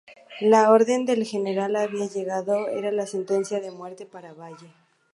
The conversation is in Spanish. La orden del general había llegado era la sentencia de muerte para Valle.